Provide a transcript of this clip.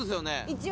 一応。